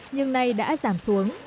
nhưng nay đã giảm xuống